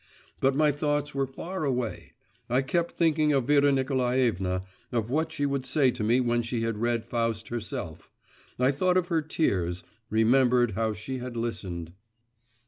… But my thoughts were far away. I kept thinking of Vera Nikolaevna, of what she would say to me when she had read Faust herself, I thought of her tears, remembered how she had listened.